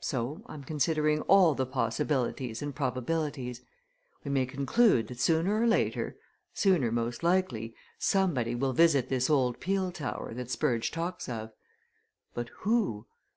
So I'm considering all the possibilities and probabilities we may conclude that sooner or later sooner, most likely somebody will visit this old peel tower that Spurge talks of. But who?